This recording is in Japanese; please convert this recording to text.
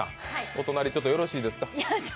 お隣よろしいですか？